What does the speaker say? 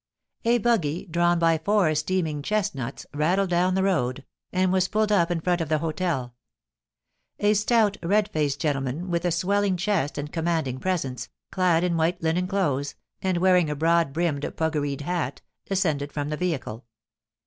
A buggy, drawn by four steaming chestnuts, rattled down the road, and was pulled up in front of the hotel. A stout red faced gentleman with a swelling chest and commanding presence, clad in white linen clothes, and wearing a broad brimmed puggareed hat, descended from the vehicle.